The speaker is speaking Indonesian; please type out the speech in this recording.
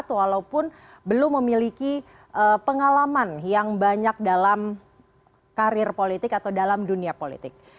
walaupun belum memiliki pengalaman yang banyak dalam karir politik atau dalam dunia politik